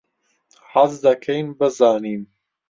حەز دەکەین بزانین.